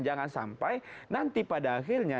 jangan sampai nanti pada akhirnya